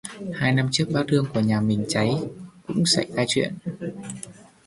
hai năm trước bát hương của nhà mình cháy cũng xảy ra chuyện